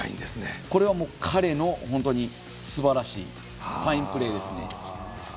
これは南アフリカの１０番すばらしいファインプレーですね。